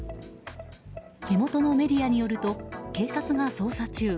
地元のメディアによると警察が捜査中。